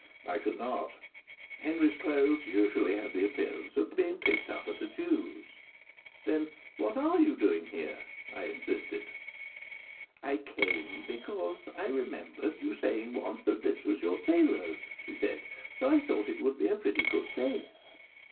I could not. Henry's clothes usually had the appearance of having been picked up at a Jew's. "Then what are you doing here?" I insisted. "I came here because I remembered you saying once that this was your tailor's," she said, "so I thought it would be a pretty good place."